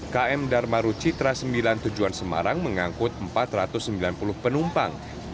km dharma rucitra sembilan tujuan semarang mengangkut empat ratus sembilan puluh penumpang